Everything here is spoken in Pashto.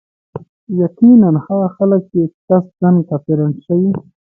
يقيناً هغه خلک چي قصدا كافران شوي